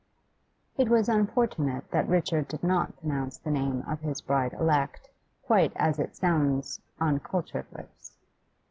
It was unfortunate that Richard did not pronounce the name of his bride elect quite as it sounds on cultured lips.